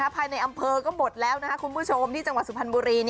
ภายในอำเภอก็หมดแล้วคุณผู้ชมที่จังหวัดสุพรรณบุรี